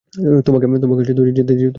তোমাকে যেতে দেয়া উচিৎ হয়নি।